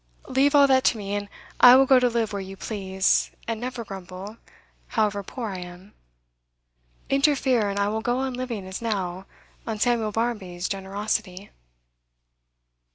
'Leave all that to me, and I will go to live where you please, and never grumble, however poor I am. Interfere, and I will go on living as now, on Samuel Barmby's generosity.